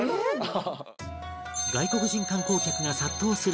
外国人観光客が殺到する理由